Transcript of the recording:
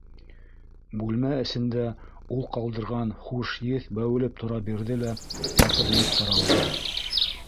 Бүлмә эсендә ул ҡалдырған хуш еҫ бәүелеп тора бирҙе лә, әкренләп таралды.